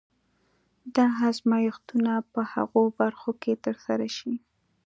دا ازمایښتونه په هغو برخو کې ترسره شي.